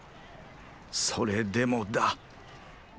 それでもだ。